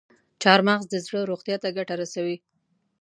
چارمغز د زړه روغتیا ته ګټه رسوي.